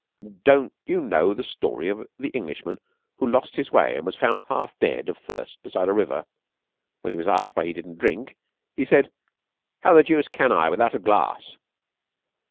Don't you know the story of the Englishman who lost his way and was found half dead of thirst beside a river? When he was asked why he didn't drink, he said, "How the deuce can I without a glass?"'